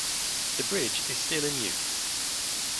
The bridge is still in use.